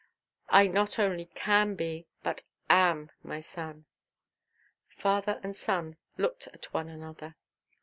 "I not only can be, but am, my son." Father and son looked at one another.